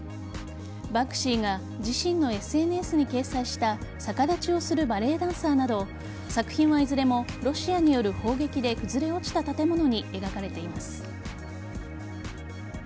バンクシーが自身のＳＮＳに掲載した逆立ちをするバレエダンサーなど作品はいずれもロシアによる砲撃で崩れ落ちた建物に描かれています。